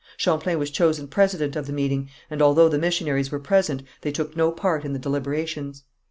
Champlain was chosen president of the meeting, and although the missionaries were present they took no part in the deliberations.